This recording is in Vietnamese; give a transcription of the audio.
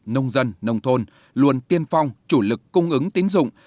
nông dân nông thôn luôn tiên phong chủ lực cung ứng tiến dụng